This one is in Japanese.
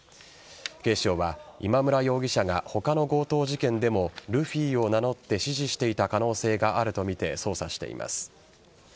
警視庁は今村容疑者が他の強盗事件でもルフィを名乗って指示していた可能性があるとみて捜査しています。